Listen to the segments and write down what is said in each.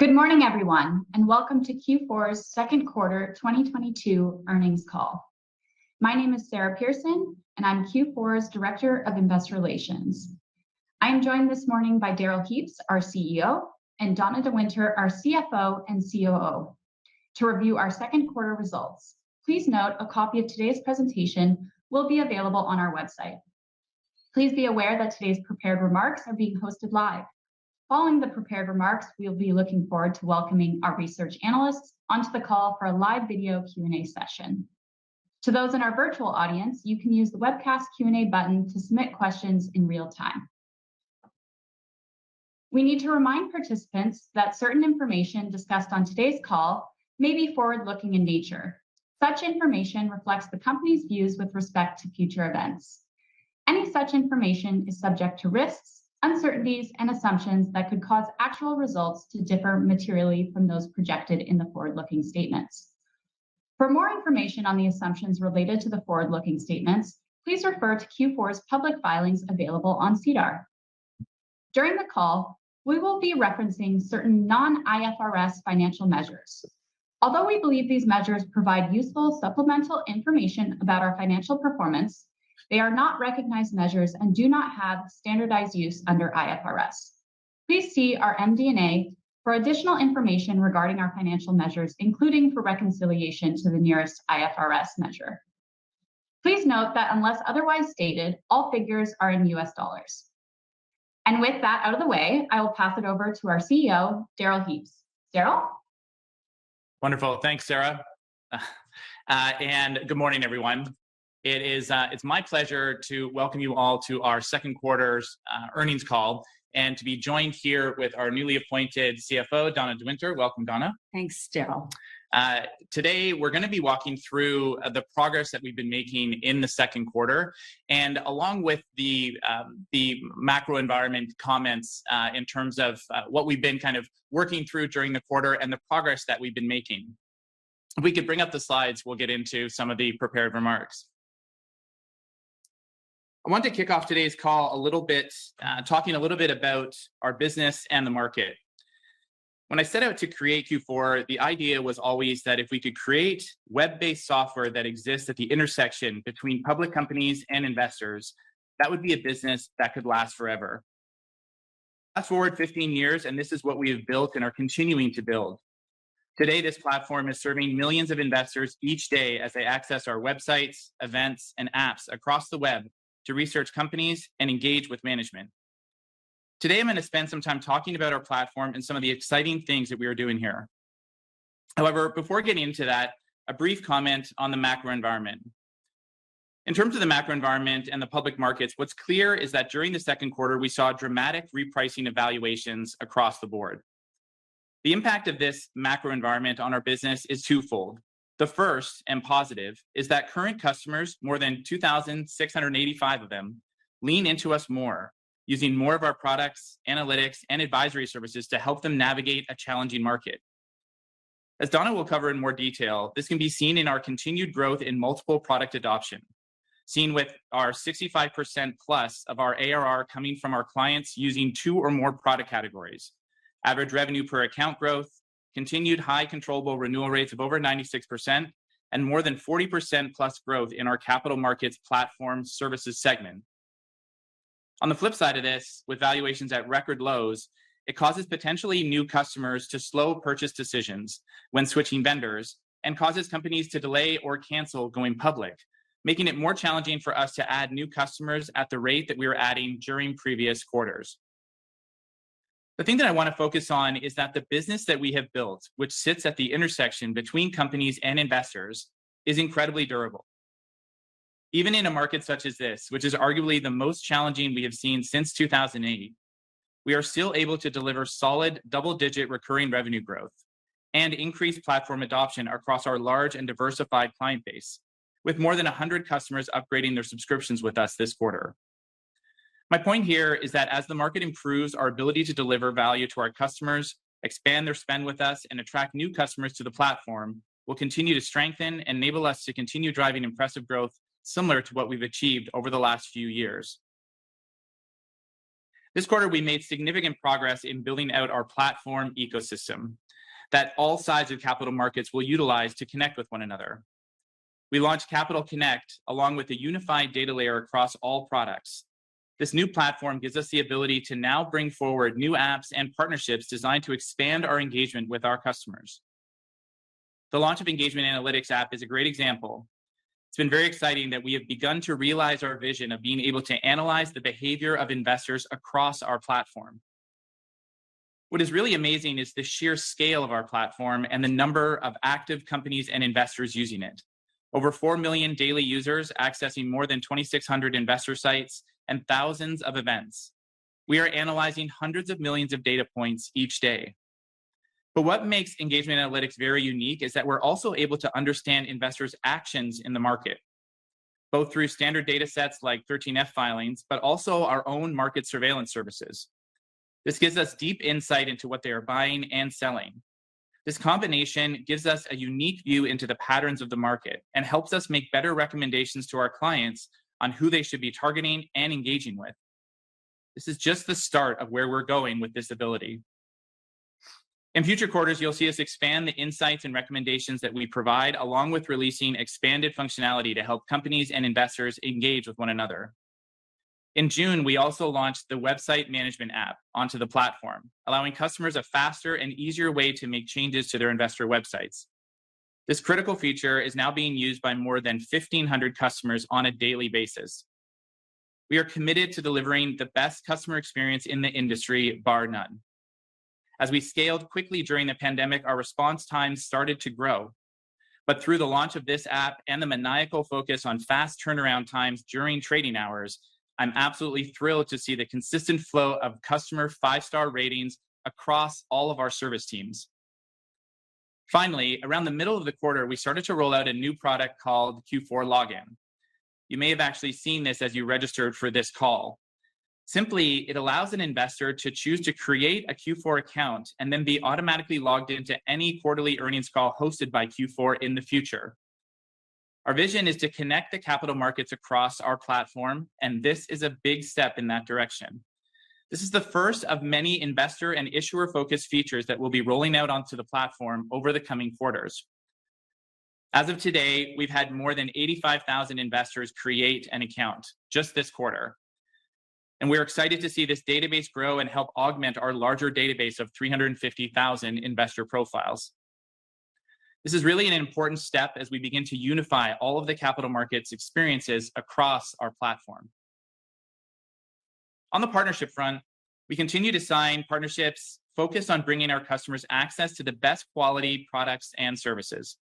Good morning, everyone, and welcome to Q4's second quarter 2022 earnings call. My name is Sara Pearson, and I'm Q4's Director of Investor Relations. I'm joined this morning by Darrell Heaps, our CEO, and Donna de Winter, our CFO and COO, to review our second quarter results. Please note a copy of today's presentation will be available on our website. Please be aware that today's prepared remarks are being hosted live. Following the prepared remarks, we'll be looking forward to welcoming our research analysts onto the call for a live video Q&A session. To those in our virtual audience, you can use the webcast Q&A button to submit questions in real time. We need to remind participants that certain information discussed on today's call may be forward-looking in nature. Such information reflects the company's views with respect to future events. Any such information is subject to risks, uncertainties, and assumptions that could cause actual results to differ materially from those projected in the forward-looking statements. For more information on the assumptions related to the forward-looking statements, please refer to Q4's public filings available on SEDAR. During the call, we will be referencing certain non-IFRS financial measures. Although we believe these measures provide useful supplemental information about our financial performance, they are not recognized measures and do not have standardized use under IFRS. Please see our MD&A for additional information regarding our financial measures, including for reconciliation to the nearest IFRS measure. Please note that unless otherwise stated, all figures are in US dollars. With that out of the way, I will pass it over to our CEO, Darrell Heaps. Darrell? Wonderful. Thanks, Sara. Good morning, everyone. It is, it's my pleasure to welcome you all to our second quarter's earnings call, and to be joined here with our newly appointed CFO, Donna de Winter. Welcome, Donna. Thanks, Darrell. Today we're gonna be walking through the progress that we've been making in the second quarter, and along with the macro environment comments, in terms of what we've been kind of working through during the quarter and the progress that we've been making. If we could bring up the slides, we'll get into some of the prepared remarks. I want to kick off today's call a little bit, talking a little bit about our business and the market. When I set out to create Q4, the idea was always that if we could create web-based software that exists at the intersection between public companies and investors, that would be a business that could last forever. Fast-forward 15 years, and this is what we have built and are continuing to build. Today, this platform is serving millions of investors each day as they access our websites, events, and apps across the web to research companies and engage with management. Today, I'm gonna spend some time talking about our platform and some of the exciting things that we are doing here. However, before getting into that, a brief comment on the macro environment. In terms of the macro environment and the public markets, what's clear is that during the second quarter we saw dramatic repricing valuations across the board. The impact of this macro environment on our business is twofold. The first, and positive, is that current customers, more than 2,685 of them, lean into us more using more of our products, analytics, and advisory services to help them navigate a challenging market. As Donna will cover in more detail, this can be seen in our continued growth in multiple product adoption, seen with our 65%+ of our ARR coming from our clients using two or more product categories. Average revenue per account growth, continued high controllable renewal rates of over 96%, and more than 40%+ growth in our capital markets platform services segment. On the flip side of this, with valuations at record lows, it causes potentially new customers to slow purchase decisions when switching vendors and causes companies to delay or cancel going public, making it more challenging for us to add new customers at the rate that we were adding during previous quarters. The thing that I wanna focus on is that the business that we have built, which sits at the intersection between companies and investors, is incredibly durable. Even in a market such as this, which is arguably the most challenging we have seen since 2008, we are still able to deliver solid double-digit recurring revenue growth and increase platform adoption across our large and diversified client base, with more than 100 customers upgrading their subscriptions with us this quarter. My point here is that as the market improves our ability to deliver value to our customers, expand their spend with us, and attract new customers to the platform, we'll continue to strengthen and enable us to continue driving impressive growth similar to what we've achieved over the last few years. This quarter, we made significant progress in building out our platform ecosystem that all sides of capital markets will utilize to connect with one another. We launched Q4 Capital Connect, along with a unified data layer across all products. This new platform gives us the ability to now bring forward new apps and partnerships designed to expand our engagement with our customers. The launch of Engagement Analytics app is a great example. It's been very exciting that we have begun to realize our vision of being able to analyze the behavior of investors across our platform. What is really amazing is the sheer scale of our platform and the number of active companies and investors using it. Over 4 million daily users accessing more than 2,600 investor sites and thousands of events. We are analyzing hundreds of millions of data points each day. What makes Engagement Analytics very unique is that we're also able to understand investors' actions in the market, both through standard datasets like 13F filings, but also our own market surveillance services. This gives us deep insight into what they are buying and selling. This combination gives us a unique view into the patterns of the market and helps us make better recommendations to our clients on who they should be targeting and engaging with. This is just the start of where we're going with this ability. In future quarters, you'll see us expand the insights and recommendations that we provide, along with releasing expanded functionality to help companies and investors engage with one another. In June, we also launched the website management app onto the platform, allowing customers a faster and easier way to make changes to their investor websites. This critical feature is now being used by more than 1,500 customers on a daily basis. We are committed to delivering the best customer experience in the industry, bar none. As we scaled quickly during the pandemic, our response times started to grow. Through the launch of this app and the maniacal focus on fast turnaround times during trading hours, I'm absolutely thrilled to see the consistent flow of customer five-star ratings across all of our service teams. Finally, around the middle of the quarter, we started to roll out a new product called Q4 Login. You may have actually seen this as you registered for this call. Simply, it allows an investor to choose to create a Q4 account and then be automatically logged into any quarterly earnings call hosted by Q4 in the future. Our vision is to connect the capital markets across our platform, and this is a big step in that direction. This is the first of many investor and issuer-focused features that we'll be rolling out onto the platform over the coming quarters. As of today, we've had more than 85,000 investors create an account just this quarter. We're excited to see this database grow and help augment our larger database of 350,000 investor profiles. This is really an important step as we begin to unify all of the capital markets experiences across our platform. On the partnership front, we continue to sign partnerships focused on bringing our customers access to the best quality products and services.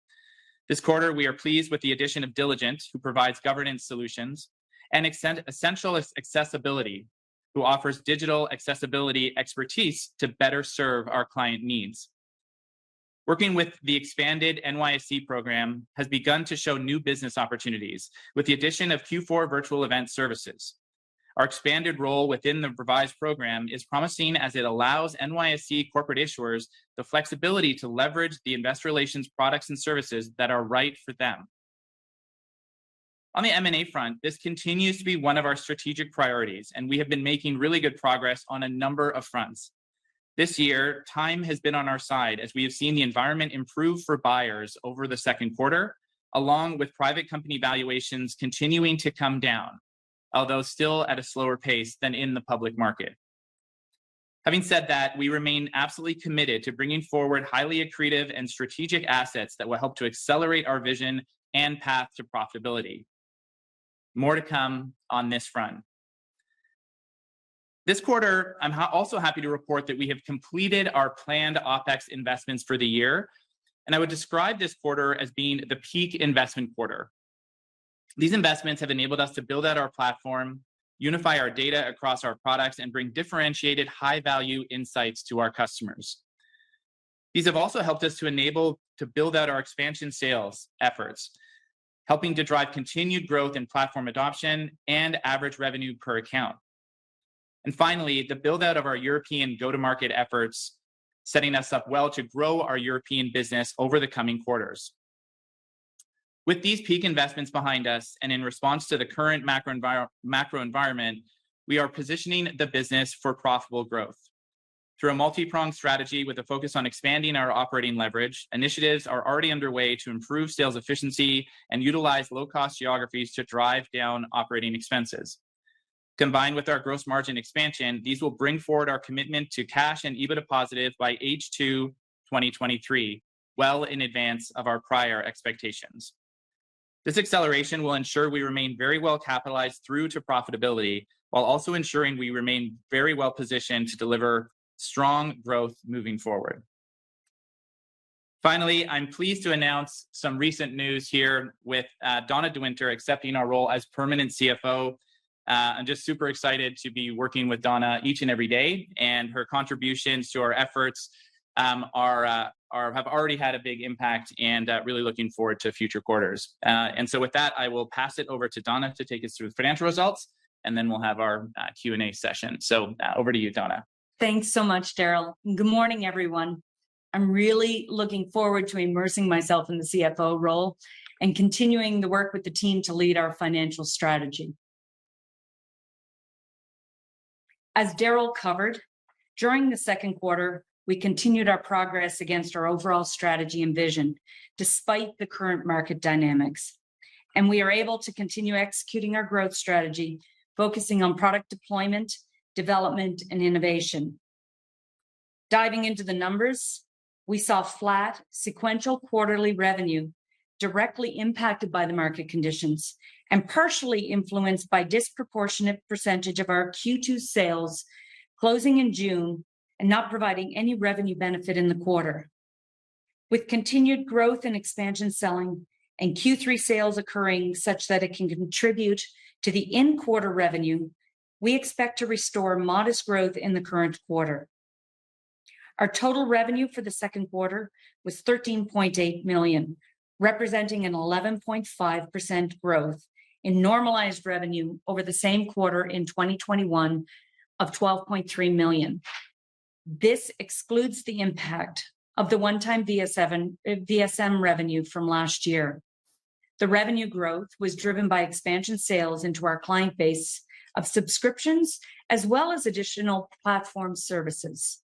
This quarter, we are pleased with the addition of Diligent, who provides governance solutions, and eSSENTIAL Accessibility, who offers digital accessibility expertise to better serve our client needs. Working with the expanded NYSE program has begun to show new business opportunities with the addition of Q4 virtual event services. Our expanded role within the revised program is promising as it allows NYSE corporate issuers the flexibility to leverage the investor relations products and services that are right for them. On the M&A front, this continues to be one of our strategic priorities, and we have been making really good progress on a number of fronts. This year, time has been on our side as we have seen the environment improve for buyers over the second quarter, along with private company valuations continuing to come down, although still at a slower pace than in the public market. Having said that, we remain absolutely committed to bringing forward highly accretive and strategic assets that will help to accelerate our vision and path to profitability. More to come on this front. This quarter, I'm also happy to report that we have completed our planned OpEx investments for the year, and I would describe this quarter as being the peak investment quarter. These investments have enabled us to build out our platform, unify our data across our products, and bring differentiated high-value insights to our customers. These have also helped us to build out our expansion sales efforts, helping to drive continued growth in platform adoption and average revenue per account. Finally, the build-out of our European go-to-market efforts, setting us up well to grow our European business over the coming quarters. With these peak investments behind us and in response to the current macro environment, we are positioning the business for profitable growth. Through a multi-pronged strategy with a focus on expanding our operating leverage, initiatives are already underway to improve sales efficiency and utilize low-cost geographies to drive down operating expenses. Combined with our gross margin expansion, these will bring forward our commitment to cash and EBITDA positive by H2 2023, well in advance of our prior expectations. This acceleration will ensure we remain very well-capitalized through to profitability while also ensuring we remain very well-positioned to deliver strong growth moving forward. Finally, I'm pleased to announce some recent news here with Donna de Winter accepting our role as permanent CFO. I'm just super excited to be working with Donna each and every day, and her contributions to our efforts have already had a big impact and really looking forward to future quarters. With that, I will pass it over to Donna to take us through the financial results, and then we'll have our Q&A session. Over to you, Donna. Thanks so much, Darrell. Good morning, everyone. I'm really looking forward to immersing myself in the CFO role and continuing the work with the team to lead our financial strategy. As Darrell covered, during the second quarter, we continued our progress against our overall strategy and vision despite the current market dynamics. We are able to continue executing our growth strategy, focusing on product deployment, development, and innovation. Diving into the numbers, we saw flat sequential quarterly revenue directly impacted by the market conditions and partially influenced by disproportionate percentage of our Q2 sales closing in June and not providing any revenue benefit in the quarter. With continued growth in expansion selling and Q3 sales occurring such that it can contribute to the in-quarter revenue, we expect to restore modest growth in the current quarter. Our total revenue for the second quarter was $13.8 million, representing an 11.5% growth in normalized revenue over the same quarter in 2021 of $12.3 million. This excludes the impact of the one-time VSM revenue from last year. The revenue growth was driven by expansion sales into our client base of subscriptions as well as additional platform services.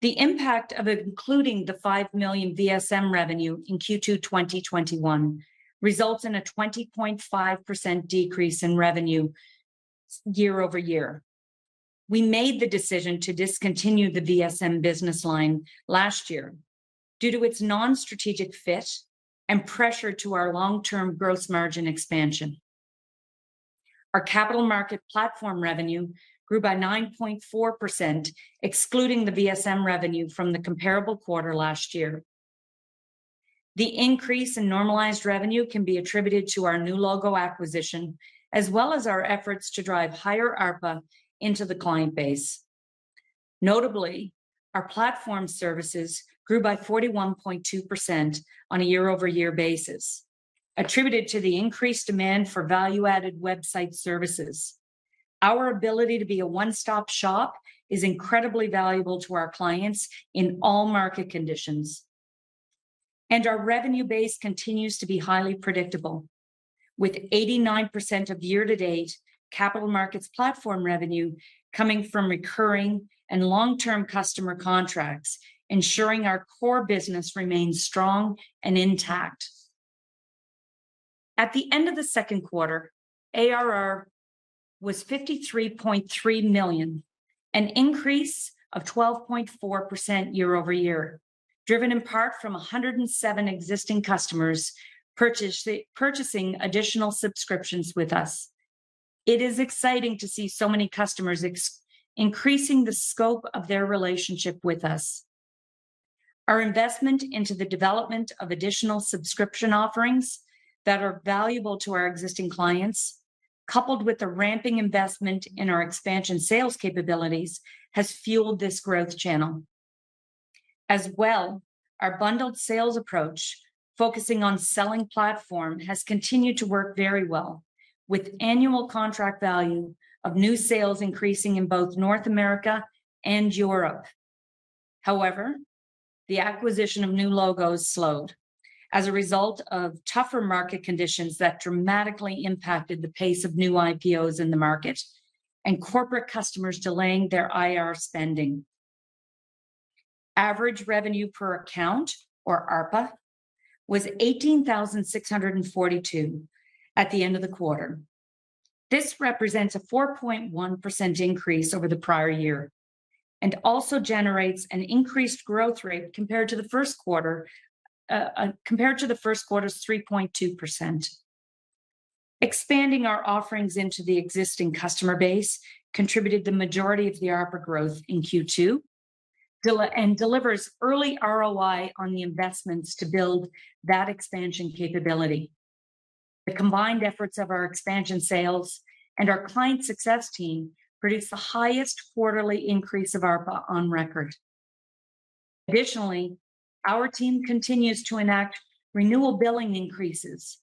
The impact of including the $5 million VSM revenue in Q2 2021 results in a 20.5% decrease in revenue year-over-year. We made the decision to discontinue the VSM business line last year due to its non-strategic fit and pressure to our long-term gross margin expansion. Our capital market platform revenue grew by 9.4%, excluding the VSM revenue from the comparable quarter last year. The increase in normalized revenue can be attributed to our new logo acquisition, as well as our efforts to drive higher ARPA into the client base. Notably, our platform services grew by 41.2% on a year-over-year basis, attributed to the increased demand for value-added website services. Our ability to be a one-stop shop is incredibly valuable to our clients in all market conditions. Our revenue base continues to be highly predictable, with 89% of year-to-date capital markets platform revenue coming from recurring and long-term customer contracts, ensuring our core business remains strong and intact. At the end of the second quarter, ARR was $53.3 million, an increase of 12.4% year-over-year, driven in part from 107 existing customers purchasing additional subscriptions with us. It is exciting to see so many customers increasing the scope of their relationship with us. Our investment into the development of additional subscription offerings that are valuable to our existing clients, coupled with the ramping investment in our expansion sales capabilities, has fueled this growth channel. As well, our bundled sales approach, focusing on selling platform, has continued to work very well, with annual contract value of new sales increasing in both North America and Europe. However, the acquisition of new logos slowed as a result of tougher market conditions that dramatically impacted the pace of new IPOs in the market and corporate customers delaying their IR spending. Average revenue per account, or ARPA, was $18,642 at the end of the quarter. This represents a 4.1% increase over the prior year and also generates an increased growth rate compared to the first quarter, compared to the first quarter's 3.2%. Expanding our offerings into the existing customer base contributed the majority of the ARPA growth in Q2, and delivers early ROI on the investments to build that expansion capability. The combined efforts of our expansion sales and our client success team produced the highest quarterly increase of ARPA on record. Additionally, our team continues to enact renewal billing increases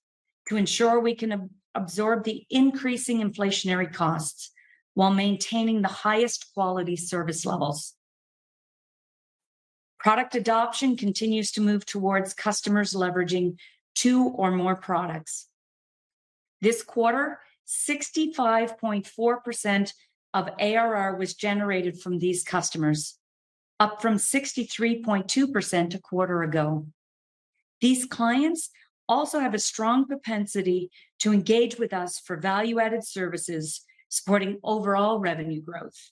to ensure we can absorb the increasing inflationary costs while maintaining the highest quality service levels. Product adoption continues to move towards customers leveraging two or more products. This quarter, 65.4% of ARR was generated from these customers, up from 63.2% a quarter ago. These clients also have a strong propensity to engage with us for value-added services supporting overall revenue growth.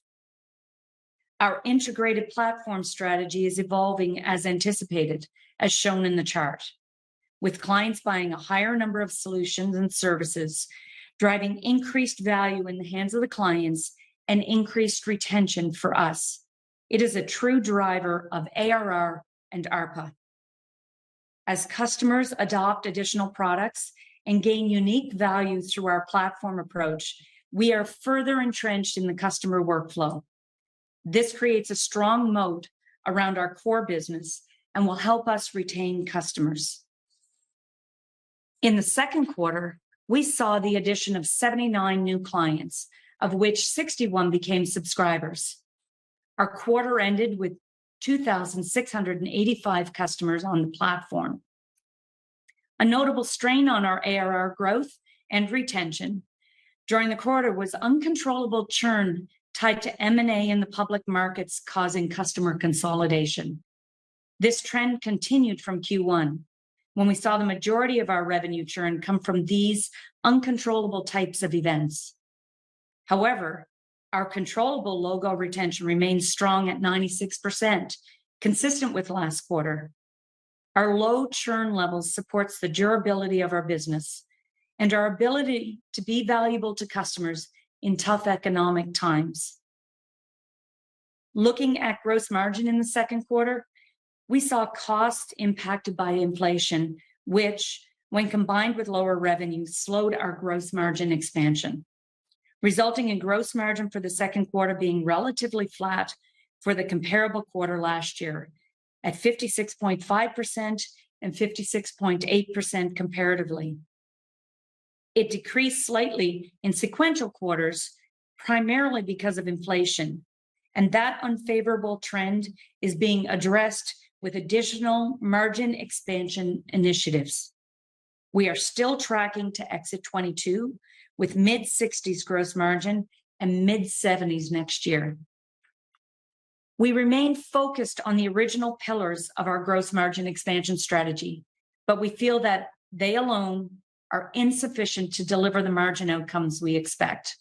Our integrated platform strategy is evolving as anticipated, as shown in the chart, with clients buying a higher number of solutions and services, driving increased value in the hands of the clients and increased retention for us. It is a true driver of ARR and ARPA. As customers adopt additional products and gain unique value through our platform approach, we are further entrenched in the customer workflow. This creates a strong moat around our core business and will help us retain customers. In the second quarter, we saw the addition of 79 new clients, of which 61 became subscribers. Our quarter ended with 2,685 customers on the platform. A notable strain on our ARR growth and retention during the quarter was uncontrollable churn tied to M&A in the public markets causing customer consolidation. This trend continued from Q1 when we saw the majority of our revenue churn come from these uncontrollable types of events. However, our controllable logo retention remains strong at 96%, consistent with last quarter. Our low churn levels supports the durability of our business and our ability to be valuable to customers in tough economic times. Looking at gross margin in the second quarter, we saw cost impacted by inflation, which, when combined with lower revenue, slowed our gross margin expansion, resulting in gross margin for the second quarter being relatively flat for the comparable quarter last year at 56.5% and 56.8% comparatively. It decreased slightly in sequential quarters, primarily because of inflation, and that unfavorable trend is being addressed with additional margin expansion initiatives. We are still tracking to exit 2022 with mid-60s gross margin and mid-70s next year. We remain focused on the original pillars of our gross margin expansion strategy, but we feel that they alone are insufficient to deliver the margin outcomes we expect.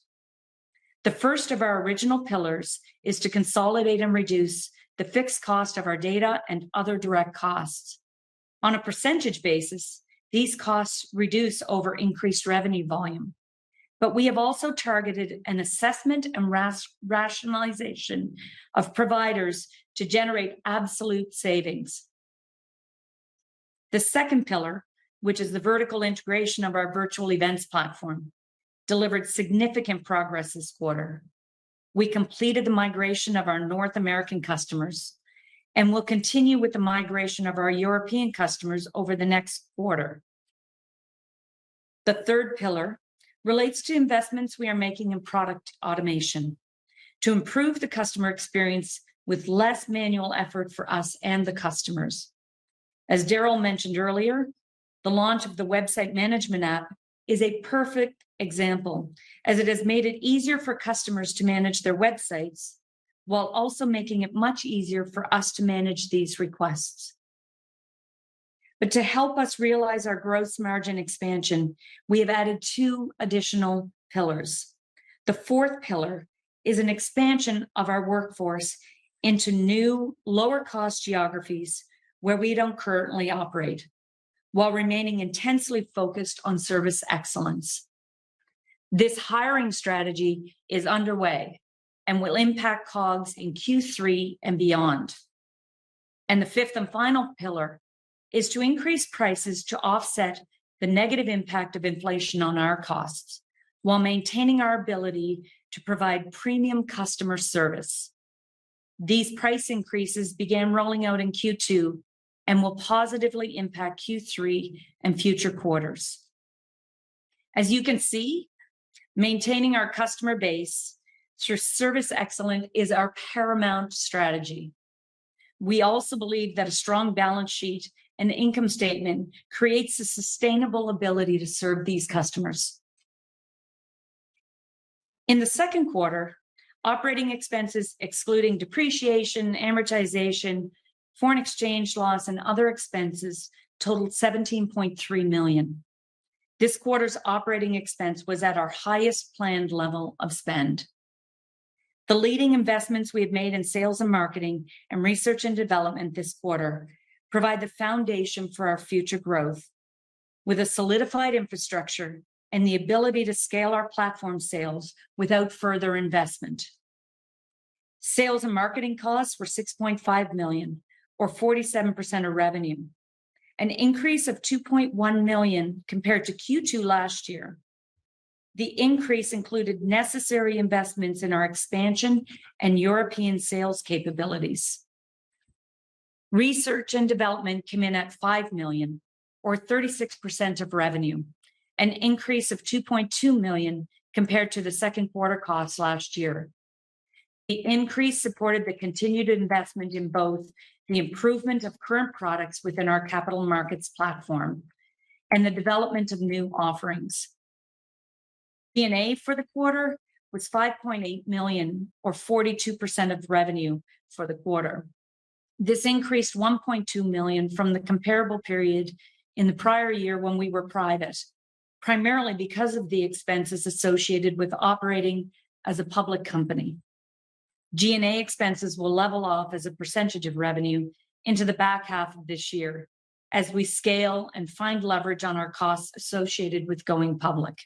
The first of our original pillars is to consolidate and reduce the fixed cost of our data and other direct costs. On a percentage basis, these costs reduce over increased revenue volume. We have also targeted an assessment and rationalization of providers to generate absolute savings. The second pillar, which is the vertical integration of our virtual events platform, delivered significant progress this quarter. We completed the migration of our North American customers and will continue with the migration of our European customers over the next quarter. The third pillar relates to investments we are making in product automation to improve the customer experience with less manual effort for us and the customers. As Darrell mentioned earlier, the launch of the website management app is a perfect example, as it has made it easier for customers to manage their websites while also making it much easier for us to manage these requests. To help us realize our gross margin expansion, we have added two additional pillars. The fourth pillar is an expansion of our workforce into new lower cost geographies where we don't currently operate, while remaining intensely focused on service excellence. This hiring strategy is underway and will impact COGS in Q3 and beyond. The fifth and final pillar is to increase prices to offset the negative impact of inflation on our costs while maintaining our ability to provide premium customer service. These price increases began rolling out in Q2 and will positively impact Q3 and future quarters. As you can see, maintaining our customer base through service excellence is our paramount strategy. We also believe that a strong balance sheet and income statement creates a sustainable ability to serve these customers. In the second quarter, operating expenses excluding depreciation, amortization, foreign exchange loss, and other expenses totaled $17.3 million. This quarter's operating expense was at our highest planned level of spend. The leading investments we have made in sales and marketing and research and development this quarter provide the foundation for our future growth with a solidified infrastructure and the ability to scale our platform sales without further investment. Sales and marketing costs were $6.5 million or 47% of revenue, an increase of $2.1 million compared to Q2 last year. The increase included necessary investments in our expansion and European sales capabilities. Research and development came in at $5 million or 36% of revenue, an increase of $2.2 million compared to the second quarter costs last year. The increase supported the continued investment in both the improvement of current products within our capital markets platform and the development of new offerings. G&A for the quarter was $5.8 million or 42% of revenue for the quarter. This increased $1.2 million from the comparable period in the prior year when we were private, primarily because of the expenses associated with operating as a public company. G&A expenses will level off as a percentage of revenue into the back half of this year as we scale and find leverage on our costs associated with going public.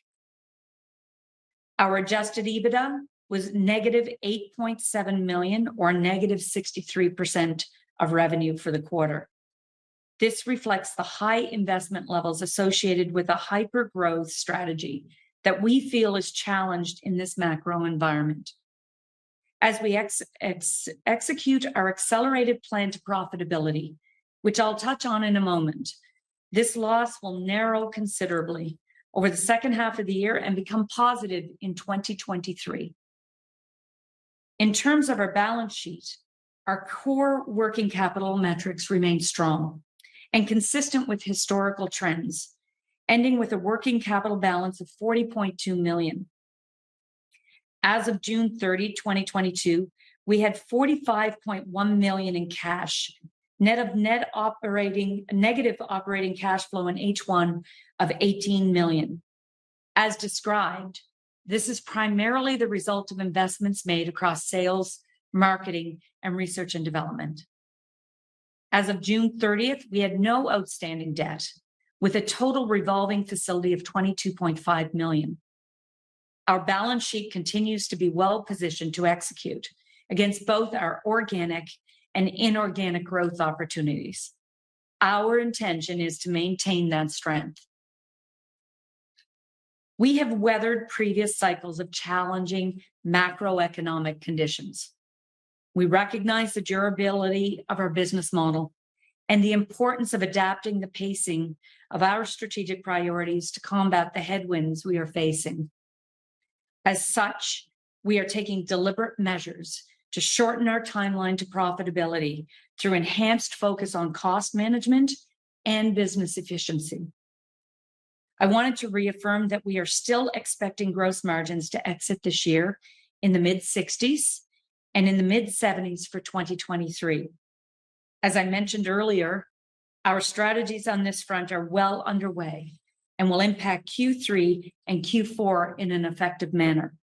Our adjusted EBITDA was negative $8.7 million or negative 63% of revenue for the quarter. This reflects the high investment levels associated with a hyper-growth strategy that we feel is challenged in this macro environment. As we execute our accelerated plan to profitability, which I'll touch on in a moment, this loss will narrow considerably over the second half of the year and become positive in 2023. In terms of our balance sheet, our core working capital metrics remain strong and consistent with historical trends, ending with a working capital balance of $40.2 million. As of June 30, 2022, we had $45.1 million in cash, net of negative operating cash flow in H1 of $18 million. As described, this is primarily the result of investments made across sales, marketing, and research and development. As of June 30th, we had no outstanding debt with a total revolving facility of $22.5 million. Our balance sheet continues to be well-positioned to execute against both our organic and inorganic growth opportunities. Our intention is to maintain that strength. We have weathered previous cycles of challenging macroeconomic conditions. We recognize the durability of our business model and the importance of adapting the pacing of our strategic priorities to combat the headwinds we are facing. We are taking deliberate measures to shorten our timeline to profitability through enhanced focus on cost management and business efficiency. I wanted to reaffirm that we are still expecting gross margins to exit this year in the mid-60s% and in the mid-70s% for 2023. As I mentioned earlier, our strategies on this front are well underway and will impact Q3 and Q4 in an effective manner.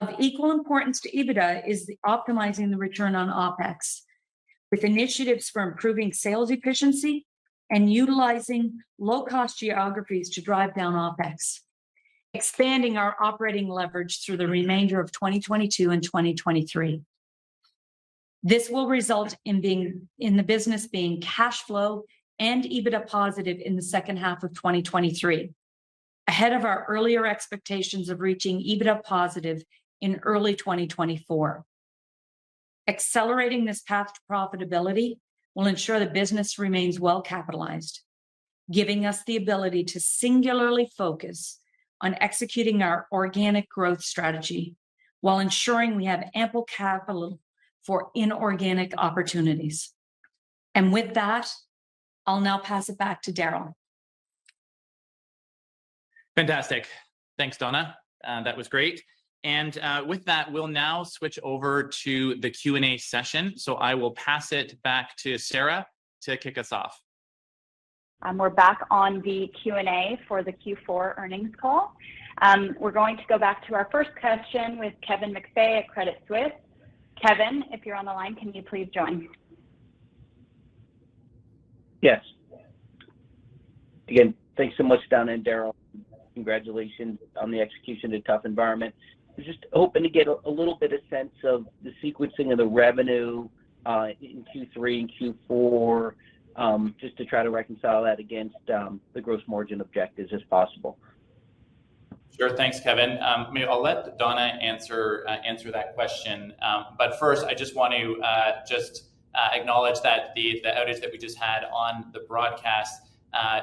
Of equal importance to EBITDA is optimizing the return on OpEx, with initiatives for improving sales efficiency and utilizing low-cost geographies to drive down OpEx, expanding our operating leverage through the remainder of 2022 and 2023. This will result in the business being cash flow and EBITDA positive in the second half of 2023, ahead of our earlier expectations of reaching EBITDA positive in early 2024. Accelerating this path to profitability will ensure the business remains well-capitalized, giving us the ability to singularly focus on executing our organic growth strategy while ensuring we have ample capital for inorganic opportunities. With that, I'll now pass it back to Darrell. Fantastic. Thanks, Donna. That was great. With that, we'll now switch over to the Q&A session. I will pass it back to Sara to kick us off. We're back on the Q&A for the Q4 earnings call. We're going to go back to our first question with Kevin McVeigh at Credit Suisse. Kevin, if you're on the line, can you please join? Yes. Again, thanks so much, Donna and Darrell. Congratulations on the execution in a tough environment. I was just hoping to get a little bit of sense of the sequencing of the revenue in Q3 and Q4, just to try to reconcile that against the gross margin objectives, if possible. Sure. Thanks, Kevin. Maybe I'll let Donna answer that question. First, I just want to acknowledge that the outage that we just had on the broadcast,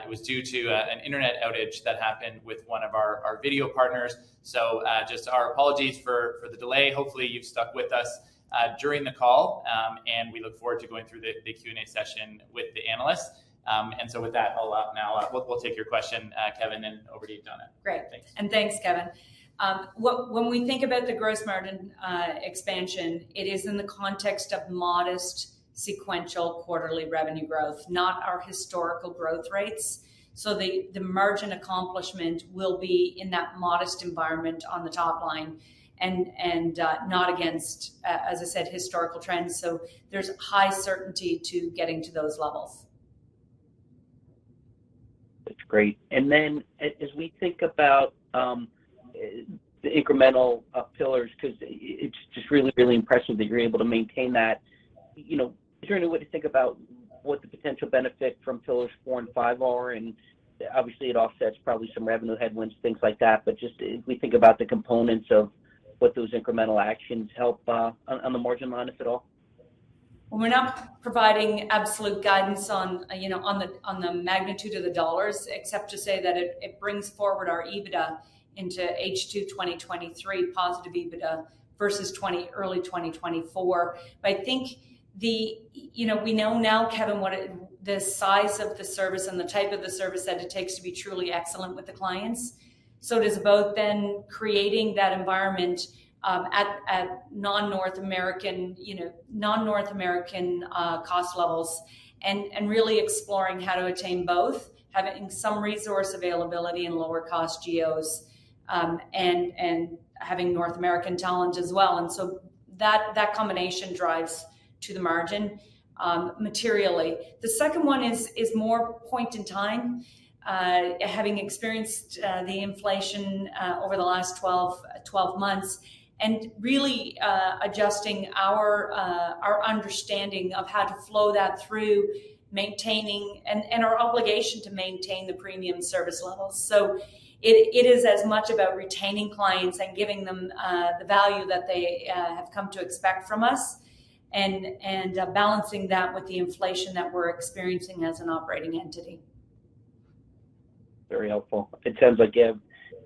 it was due to an internet outage that happened with one of our video partners. Just our apologies for the delay. Hopefully, you've stuck with us during the call. We look forward to going through the Q&A session with the analysts. With that, we'll take your question, Kevin, and over to you, Donna. Great. Thanks. Thanks, Kevin. When we think about the gross margin expansion, it is in the context of modest sequential quarterly revenue growth, not our historical growth rates. The margin accomplishment will be in that modest environment on the top line and not against, as I said, historical trends. There's high certainty to getting to those levels. That's great. Then as we think about the incremental pillars, 'cause it's just really impressive that you're able to maintain that, you know, is there any way to think about what the potential benefit from pillars four and five are? Obviously it offsets probably some revenue headwinds, things like that. Just as we think about the components of what those incremental actions help on the margin line, if at all. We're not providing absolute guidance on, you know, on the magnitude of the dollars, except to say that it brings forward our EBITDA into H2 2023, positive EBITDA, versus early 2024. I think. You know, we know now, Kevin, what the size of the service and the type of the service that it takes to be truly excellent with the clients. It is about then creating that environment at non-North American, you know, non-North American cost levels and really exploring how to attain both, having some resource availability in lower cost geos and having North American talent as well. That combination drives to the margin materially. The second one is more point in time, having experienced the inflation over the last 12 months, and really adjusting our understanding of how to flow that through, maintaining and our obligation to maintain the premium service levels. It is as much about retaining clients and giving them the value that they have come to expect from us and balancing that with the inflation that we're experiencing as an operating entity. Very helpful. It sounds like you have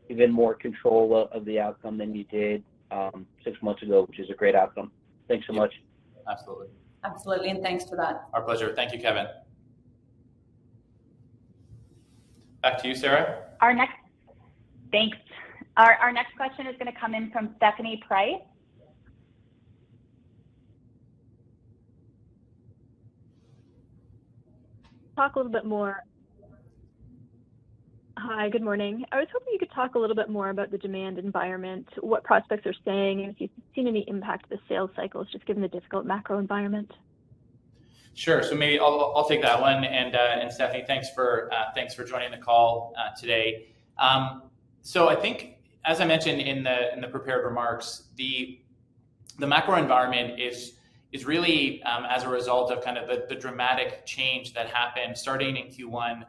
even more control of the outcome than you did six months ago, which is a great outcome. Thanks so much. Absolutely. Absolutely, thanks for that. Our pleasure. Thank you, Kevin. Back to you, Sara. Thanks. Our next question is gonna come in from Stephanie Price. Hi, good morning. I was hoping you could talk a little bit more about the demand environment, what prospects are saying, and if you've seen any impact to the sales cycles, just given the difficult macro environment? Sure. Maybe I'll take that one. Stephanie, thanks for joining the call today. I think as I mentioned in the prepared remarks, the macro environment is really as a result of kind of the dramatic change that happened starting in Q1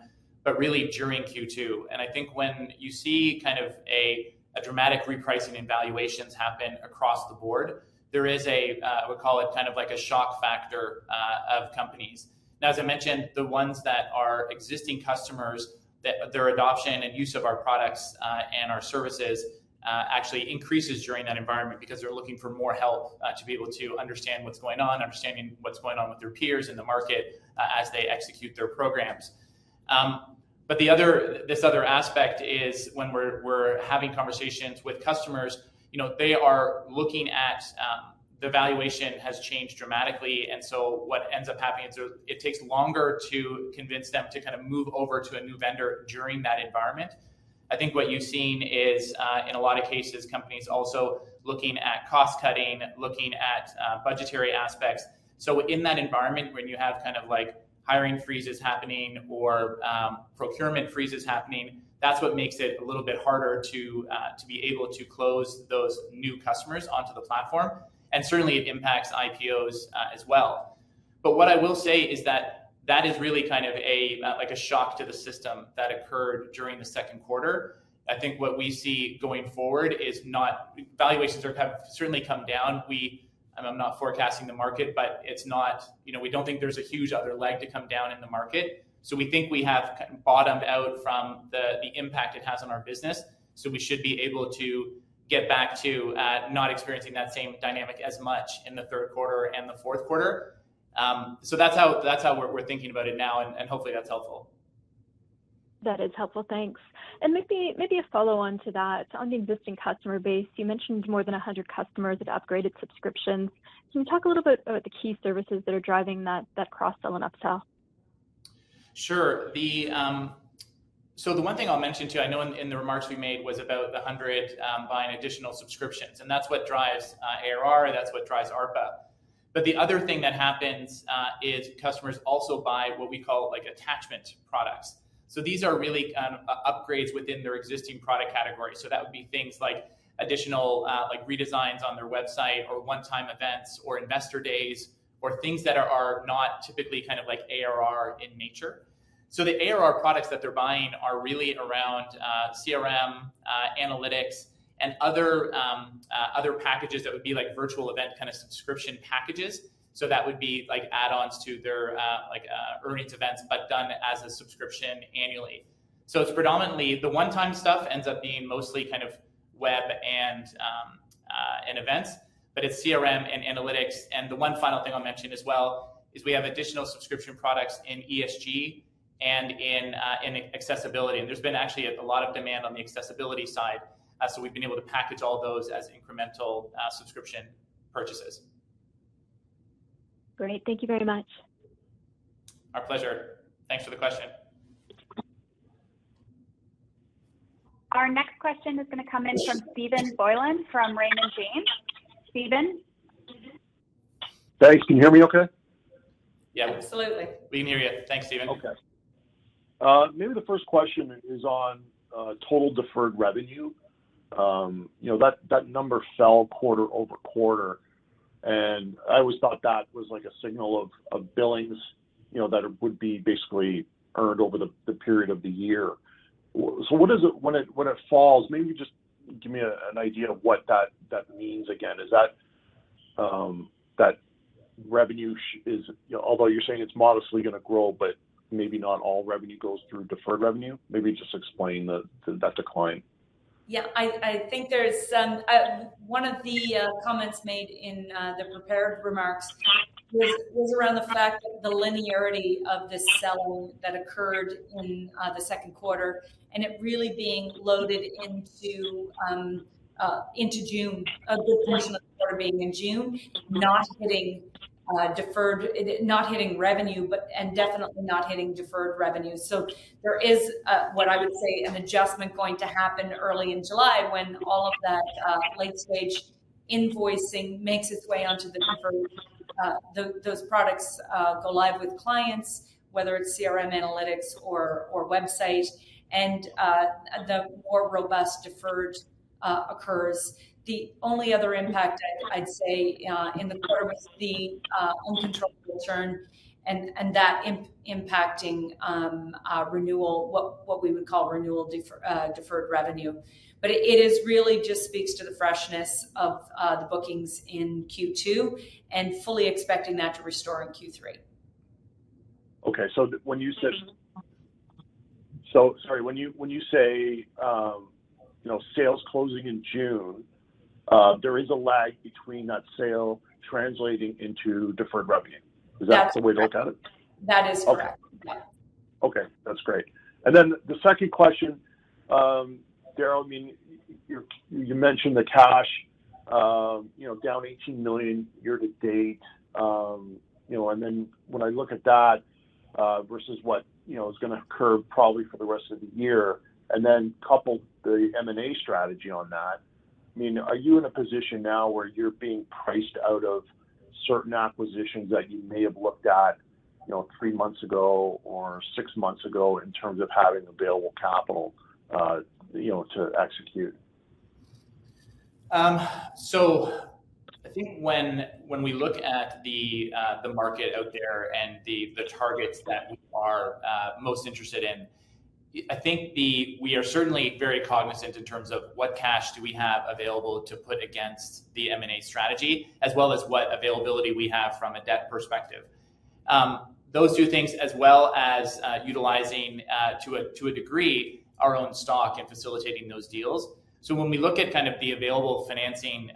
but really during Q2. I think when you see kind of a dramatic repricing in valuations happen across the board, there is a I would call it kind of like a shock factor of companies. Now, as I mentioned, the ones that are existing customers, that their adoption and use of our products and our services actually increases during that environment because they're looking for more help to be able to understand what's going on, understanding what's going on with their peers in the market as they execute their programs. This other aspect is when we're having conversations with customers, you know, they are looking at the valuation has changed dramatically, and so what ends up happening is it takes longer to convince them to kind of move over to a new vendor during that environment. I think what you've seen is, in a lot of cases, companies also looking at cost-cutting, looking at budgetary aspects. In that environment, when you have kind of like hiring freezes happening or procurement freezes happening, that's what makes it a little bit harder to be able to close those new customers onto the platform. Certainly it impacts IPOs as well. What I will say is that is really kind of like a shock to the system that occurred during the second quarter. I think what we see going forward is valuations have certainly come down. I'm not forecasting the market, but you know, we don't think there's a huge other leg to come down in the market. We think we have kind of bottomed out from the impact it has on our business. We should be able to get back to not experiencing that same dynamic as much in the third quarter and the fourth quarter. That's how we're thinking about it now, and hopefully that's helpful. That is helpful. Thanks. Maybe a follow-on to that. On the existing customer base, you mentioned more than 100 customers have upgraded subscriptions. Can you talk a little bit about the key services that are driving that cross-sell and upsell? Sure. The one thing I'll mention, too, I know in the remarks we made was about the 100 buying additional subscriptions, and that's what drives ARR, and that's what drives ARPA. The other thing that happens is customers also buy what we call, like, attachment products. These are really kind of upgrades within their existing product category. That would be things like additional, like redesigns on their website, or one-time events, or investor days, or things that are not typically kind of like ARR in nature. The ARR products that they're buying are really around CRM, analytics, and other packages that would be like virtual event kind of subscription packages. That would be like add-ons to their, like, earnings events, but done as a subscription annually. It's predominantly the one-time stuff ends up being mostly kind of web and events, but it's CRM and analytics. The one final thing I'll mention as well is we have additional subscription products in ESG and in accessibility. There's been actually a lot of demand on the accessibility side. We've been able to package all those as incremental subscription purchases. Great. Thank you very much. Our pleasure. Thanks for the question. Our next question is gonna come in from Stephen Boland from Raymond James. Stephen? Thanks. Can you hear me okay? Yeah. Absolutely. We can hear you. Thanks, Stephen. Okay. Maybe the first question is on total deferred revenue. You know, that number fell quarter-over-quarter, and I always thought that was like a signal of billings, you know, that would be basically earned over the period of the year. What is it. When it falls, maybe just give me an idea of what that means again. Is that revenue. Although you're saying it's modestly gonna grow, but maybe not all revenue goes through deferred revenue. Maybe just explain that decline. Yeah. I think one of the comments made in the prepared remarks was around the fact the linearity of this sale that occurred in the second quarter, and it really being loaded into June, a good portion of the quarter being in June, not hitting revenue, but, and definitely not hitting deferred revenue. There is what I would say an adjustment going to happen early in July when all of that late-stage invoicing makes its way onto the confirmed. Those products go live with clients, whether it's CRM analytics or website, and the more robust deferred occurs. The only other impact I'd say in the quarter was the own control return and that impacting renewal, what we would call renewal deferred revenue. It is really just speaks to the freshness of the bookings in Q2 and fully expecting that to restore in Q3. Okay. When you said Mm-hmm. Sorry. When you say, you know, sales closing in June, there is a lag between that sale translating into deferred revenue. That's correct. Is that the way to look at it? That is correct. Okay. Yeah. Okay. That's great. Then the second question, Darrell, I mean, you mentioned the cash, you know, down $18 million year to date, you know, and then when I look at that, versus what, you know, is gonna occur probably for the rest of the year, and then couple the M&A strategy on that. I mean, are you in a position now where you're being priced out of certain acquisitions that you may have looked at, you know, three months ago or six months ago in terms of having available capital, you know, to execute? I think when we look at the market out there and the targets that we are most interested in, we are certainly very cognizant in terms of what cash do we have available to put against the M&A strategy, as well as what availability we have from a debt perspective. Those two things as well as utilizing to a degree our own stock and facilitating those deals. When we look at kind of the available financing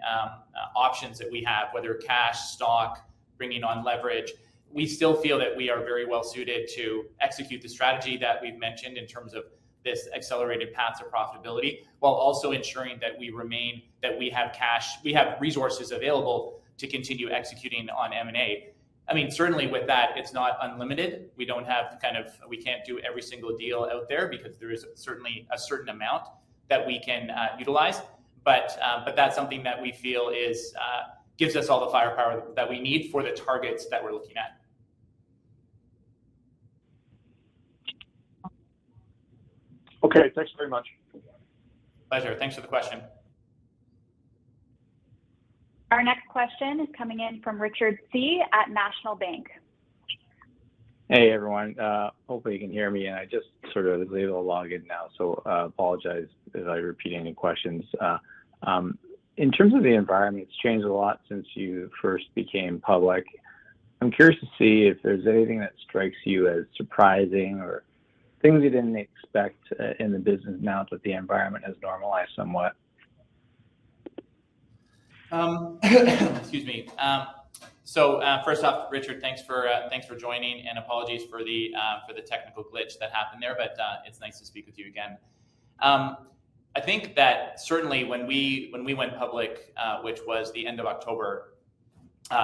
options that we have, whether cash, stock, bringing on leverage, we still feel that we are very well suited to execute the strategy that we've mentioned in terms of this accelerated path to profitability, while also ensuring we have resources available to continue executing on M&A. I mean, certainly with that, it's not unlimited. We don't have. We can't do every single deal out there because there is certainly a certain amount that we can utilize. That's something that we feel gives us all the firepower that we need for the targets that we're looking at. Okay. Thanks very much. Pleasure. Thanks for the question. Our next question is coming in from Richard Tse at National Bank. Hey, everyone. Hopefully you can hear me. I just sort of did a little log in now, so apologize if I repeat any questions. In terms of the environment, it's changed a lot since you first became public. I'm curious to see if there's anything that strikes you as surprising or things you didn't expect in the business now that the environment has normalized somewhat. Excuse me. First off, Richard, thanks for joining, and apologies for the technical glitch that happened there, but it's nice to speak with you again. I think that certainly when we went public, which was the end of October,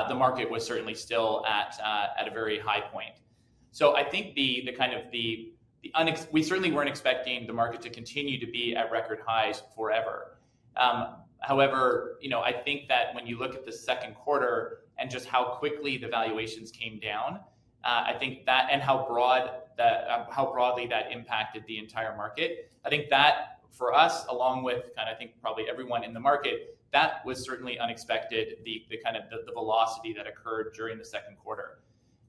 the market was certainly still at a very high point. I think we certainly weren't expecting the market to continue to be at record highs forever. However, you know, I think that when you look at the second quarter and just how quickly the valuations came down, I think that and how broadly that impacted the entire market. I think that for us, along with kind of, I think, probably everyone in the market, that was certainly unexpected, the kind of the velocity that occurred during the second quarter.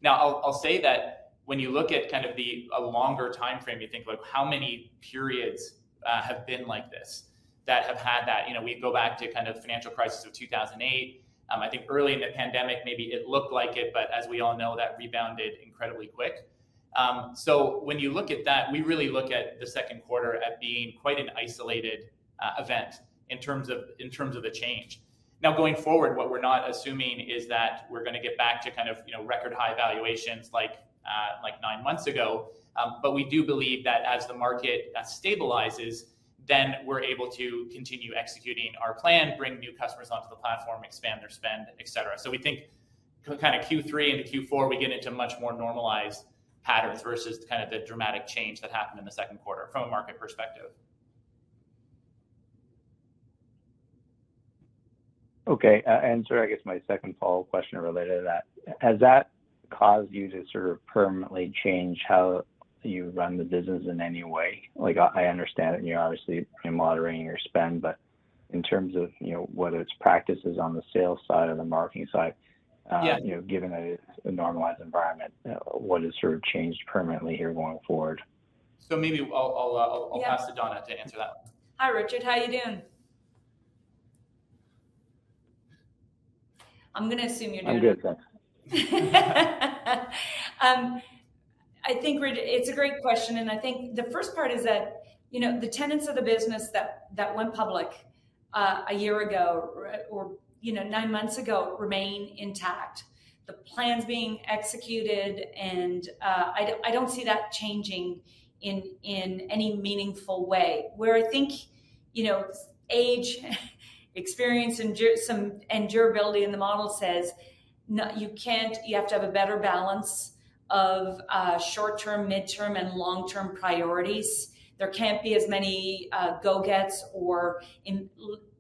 Now, I'll say that when you look at kind of a longer timeframe, you think about how many periods have been like this, that have had that. You know, we go back to kind of the financial crisis of 2008. I think early in the pandemic, maybe it looked like it, but as we all know, that rebounded incredibly quick. When you look at that, we really look at the second quarter as being quite an isolated event in terms of the change. Now, going forward, what we're not assuming is that we're gonna get back to kind of, you know, record high valuations like nine months ago. We do believe that as the market stabilizes, then we're able to continue executing our plan, bring new customers onto the platform, expand their spend, et cetera. We think kind of Q3 into Q4, we get into much more normalized patterns versus kind of the dramatic change that happened in the second quarter from a market perspective. Okay, I guess my second follow-up question related to that. Has that caused you to sort of permanently change how you run the business in any way? Like, I understand that you're obviously kind of moderating your spend, but in terms of, you know, whether it's practices on the sales side or the marketing side. Yeah You know, given a normalized environment, what has sort of changed permanently here going forward? Maybe I'll Yeah I'll pass to Donna to answer that one. Hi, Richard. How you doing? I'm gonna assume you're doing. I'm good, thanks. I think it's a great question, and I think the first part is that, you know, the tenets of the business that went public a year ago or you know nine months ago remain intact. The plan's being executed, and I don't see that changing in any meaningful way. Where I think, you know, age, experience, and durability in the model says you have to have a better balance of short-term, mid-term, and long-term priorities. There can't be as many go-gets or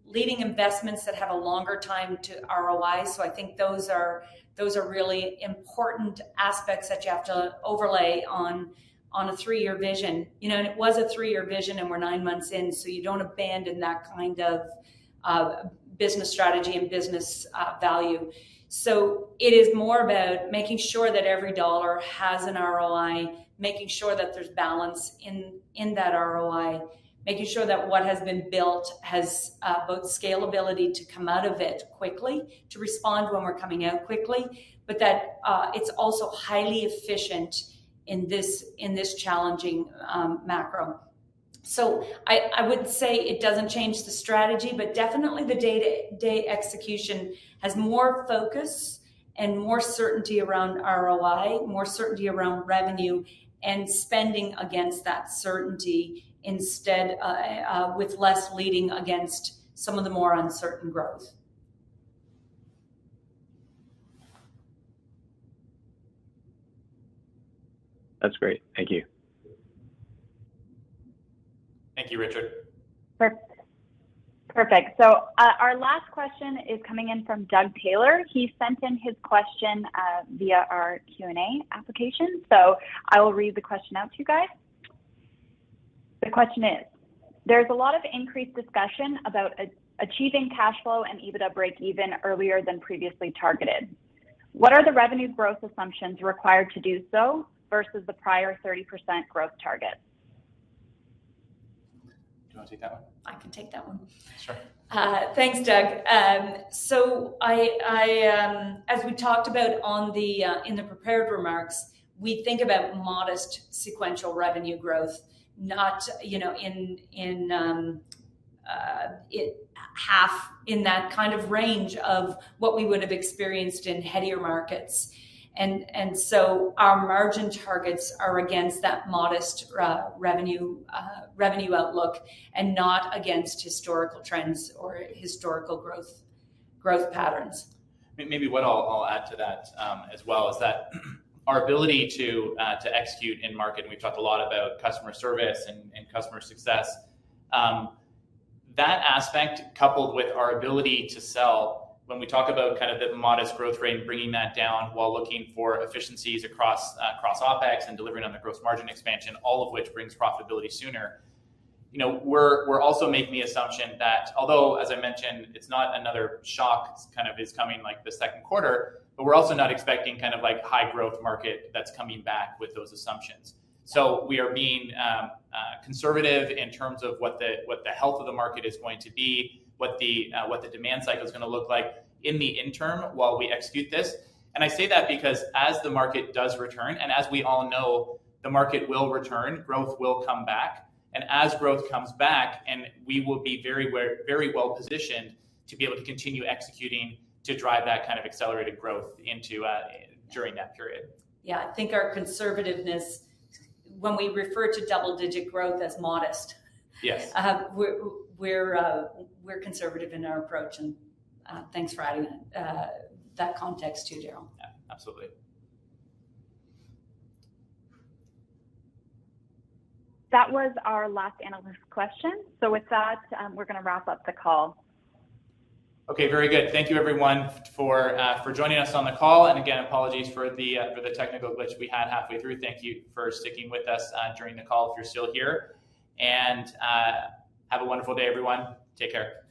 leading investments that have a longer time to ROI. I think those are really important aspects that you have to overlay on a three-year vision. You know, it was a three-year vision, and we're nine months in, so you don't abandon that kind of business strategy and business value. It is more about making sure that every dollar has an ROI, making sure that there's balance in that ROI, making sure that what has been built has both scalability to come out of it quickly, to respond when we're coming out quickly, but that it's also highly efficient in this challenging macro. I would say it doesn't change the strategy, but definitely the day-to-day execution has more focus and more certainty around ROI, more certainty around revenue, and spending against that certainty instead with less leading against some of the more uncertain growth. That's great. Thank you. Thank you, Richard. Perfect. Our last question is coming in from Doug Taylor. He sent in his question via our Q&A application. I will read the question out to you guys. The question is, there's a lot of increased discussion about achieving cash flow and EBITDA breakeven earlier than previously targeted. What are the revenue growth assumptions required to do so versus the prior 30% growth target? Do you wanna take that one? I can take that one. Sure. Thanks, Doug. So, as we talked about in the prepared remarks, we think about modest sequential revenue growth, not, you know, half in that kind of range of what we would have experienced in headier markets. Our margin targets are against that modest revenue outlook and not against historical trends or historical growth patterns. Maybe what I'll add to that as well is that our ability to execute in market, and we've talked a lot about customer service and customer success. That aspect coupled with our ability to sell when we talk about kind of the modest growth rate and bringing that down while looking for efficiencies across OpEx and delivering on the gross margin expansion, all of which brings profitability sooner. You know, we're also making the assumption that although, as I mentioned, it's not another shock kind of is coming like the second quarter, but we're also not expecting kind of like high growth market that's coming back with those assumptions. We are being conservative in terms of what the health of the market is going to be, what the demand cycle is gonna look like in the interim while we execute this. I say that because as the market does return, and as we all know the market will return, growth will come back. As growth comes back, we will be very well positioned to be able to continue executing to drive that kind of accelerated growth during that period. Yeah. I think our conservativeness when we refer to double-digit growth as modest. Yes. We're conservative in our approach and thanks for adding that context too, Darrell. Yeah. Absolutely. That was our last analyst question. With that, we're gonna wrap up the call. Okay. Very good. Thank you everyone for joining us on the call. Again, apologies for the technical glitch we had halfway through. Thank you for sticking with us during the call if you're still here. Have a wonderful day, everyone. Take care. Thank you.